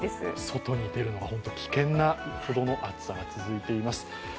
外に出るのが本当に危険なほどの暑さが続いています。